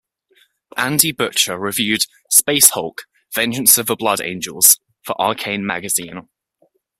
Andy Butcher reviewed "Space Hulk: Vengeance of the Blood Angels" for "Arcane" magazine.